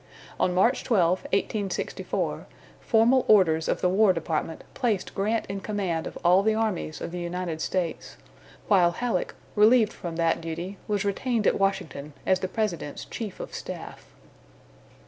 On March 12, 1864, formal orders of the War Department placed Grant in command of all the armies of the United States, while Halleck, relieved from that duty, was retained at Washington as the President's chief of staff.